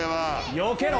よけろ！